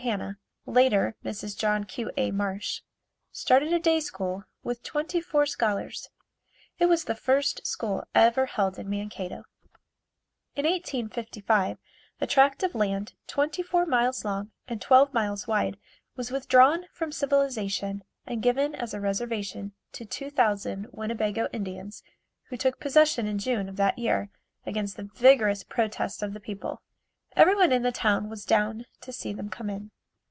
Hanna (later Mrs. John Q. A. Marsh) started a day school with twenty four scholars. It was the first school ever held in Mankato. In 1855, a tract of land twenty four miles long and twelve miles wide was withdrawn from civilization and given as a reservation to two thousand Winnebago Indians who took possession in June of that year against the vigorous protest of the people. Everyone in the town was down to see them come in.